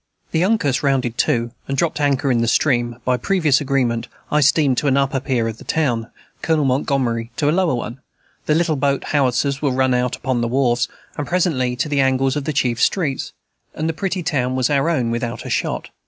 The Uncas rounded to, and dropped anchor in the stream; by previous agreement, I steamed to an upper pier of the town, Colonel Montgomery to a lower one; the little boat howitzers were run out upon the wharves, and presently to the angles of the chief streets; and the pretty town was our own without a shot.